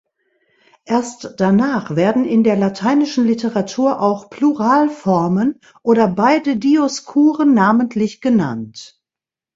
Erst danach werden in der lateinischen Literatur auch Pluralformen oder beide Dioskuren namentlich genannt.